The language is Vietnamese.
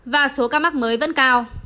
và số ca mắc mới vẫn cao